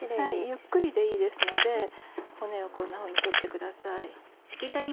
ゆっくりでいいので骨をこんなふうに取ってください。